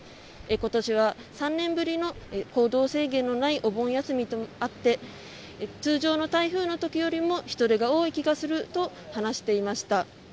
今年は３年ぶりの行動制限のないお盆休みとあって通常の台風の時よりも人出が多い気がすると話していました。